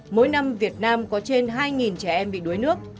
mỗi năm việt nam có trên hai trẻ em bị đuối nước